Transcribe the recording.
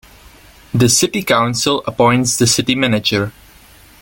The city council appoints the city manager.